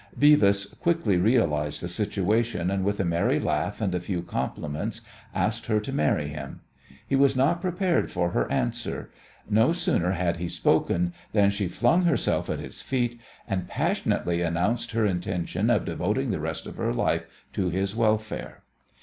Beavis quickly realized the situation, and with a merry laugh and a few compliments asked her to marry him. He was not prepared for her answer. No sooner had he spoken than she flung herself at his feet, and passionately announced her intention of devoting the rest of her life to his welfare.